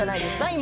今。